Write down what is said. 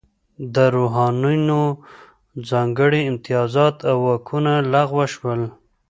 د روحانینو ځانګړي امتیازات او واکونه لغوه شول.